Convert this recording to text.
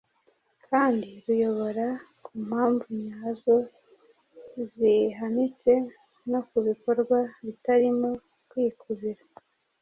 kandi ruyobora ku mpamvu nyazo zihanitse no ku bikorwa bitarimo kwikubira.